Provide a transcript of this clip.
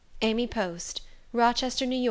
Amy Post. Rochester, N.Y.